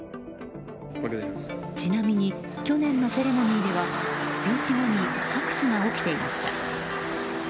ちなみに去年のセレモニーではスピーチ後に拍手が起こっていました。